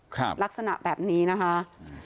ครับลักษณะแบบนี้นะคะ